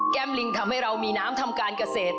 ลิงทำให้เรามีน้ำทำการเกษตร